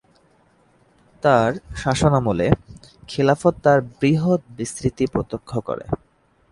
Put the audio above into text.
তার শাসনামলে খিলাফত তার বৃহৎ বিস্তৃতি প্রত্যক্ষ করে।